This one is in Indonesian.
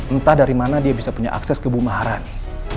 entah dari mana dia bisa punya akses ke bumaharani